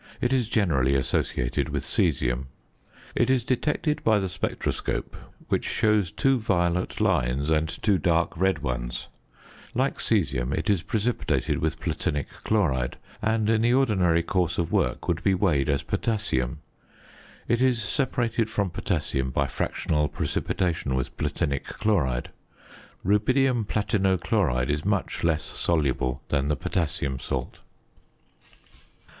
It is generally associated with caesium. It is detected by the spectroscope, which shows two violet lines and two dark red ones. Like caesium, it is precipitated with platinic chloride, and in the ordinary course of work would be weighed as potassium. It is separated from potassium by fractional precipitation with platinic chloride. Rubidium platino chloride is much less soluble than the potassium salt.